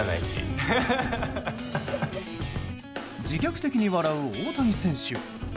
自虐的に笑う大谷選手。